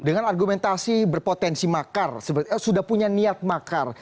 dengan argumentasi berpotensi makar sudah punya niat makar